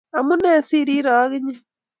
Amune si irire ag inye